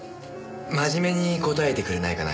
真面目に答えてくれないかな。